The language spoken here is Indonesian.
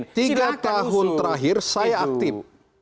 tiga tahun terakhir saya aktif